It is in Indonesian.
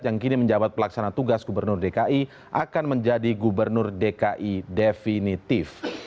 yang kini menjabat pelaksana tugas gubernur dki akan menjadi gubernur dki definitif